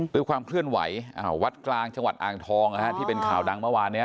ด้วยความเคลื่อนไหววัดกลางจังหวัดอ่างทองที่เป็นข่าวดังเมื่อวานนี้